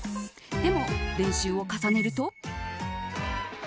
でも、練習を重ねると。